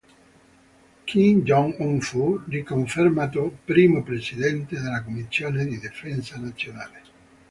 Kim Jong-un fu riconfermato Primo Presidente della Commissione di Difesa Nazionale.